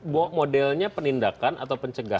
bahwa modelnya penindakan atau pencegahan